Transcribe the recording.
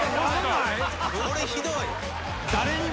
これひどい。